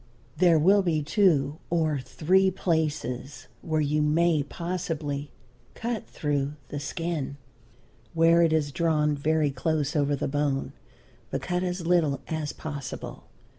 There will be two or three places where you may possibly cut through the skin, where it is drawn very close over the bone, but cut as little as possible.